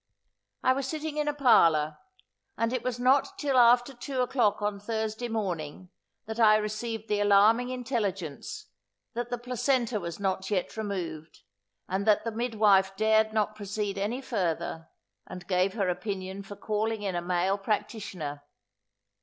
I was sitting in a parlour; and it was not till after two o'clock on Thursday morning, that I received the alarming intelligence, that the placenta was not yet removed, and that the midwife dared not proceed any further, and gave her opinion for calling in a male practitioner.